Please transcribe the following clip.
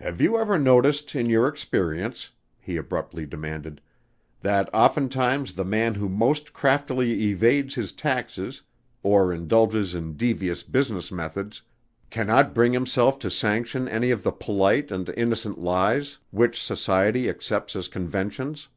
"Have you ever noticed in your experience," he abruptly demanded, "that oftentimes the man who most craftily evades his taxes or indulges in devious business methods, cannot bring himself to sanction any of the polite and innocent lies which society accepts as conventions?"